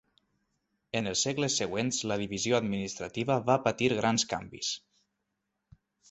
En els segles següents la divisió administrativa va patir grans canvis.